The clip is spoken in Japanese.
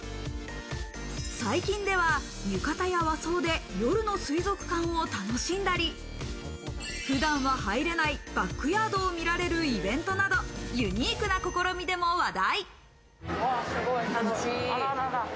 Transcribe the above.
最近では浴衣や和装で夜の水族館を楽しんだり、普段は入れないバックヤードを見られるイベントなど、ユニークな試みでも話題。